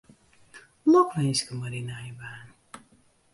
Lokwinske mei dyn nije baan.